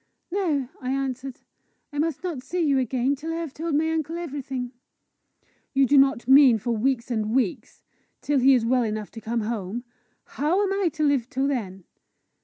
"No," I answered. "I must not see you again till I have told my uncle everything." "You do not mean for weeks and weeks till he is well enough to come home? How am I to live till then!"